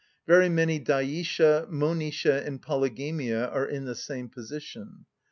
Very many diœcia, monœcia, and polygamia are in the same position.